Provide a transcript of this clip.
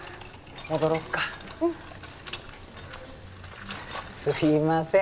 戻ろっかうんすいません